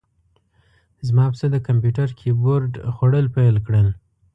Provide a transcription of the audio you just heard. زما پسه د کمپیوتر کیبورډ خوړل پیل کړل.